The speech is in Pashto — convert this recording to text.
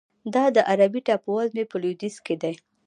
دا د عربي ټاپوزمې په لویدیځ کې دی.